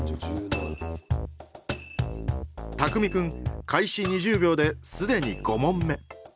匠君開始２０秒で既に５問目。